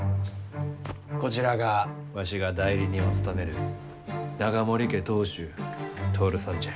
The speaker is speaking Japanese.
こちらがわしが代理人を務める永守家当主徹さんじゃ。